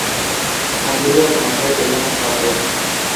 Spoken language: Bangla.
হাঙ্গেরীয় ভাষায় এর নাম কাপর।